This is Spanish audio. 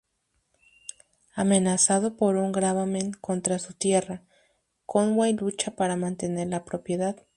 Amenazado por un gravamen contra su tierra, Conway lucha para mantener la propiedad.